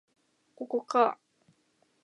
ここか